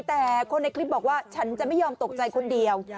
แต่คนในคลิปบอกว่าฉันจะไม่ยอมตกใจคนเดียว